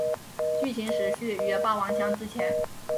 剧情时序于霸王枪之前。